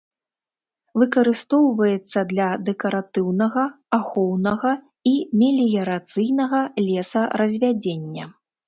Выкарыстоўваецца для дэкаратыўнага, ахоўнага і меліярацыйнага лесаразвядзення.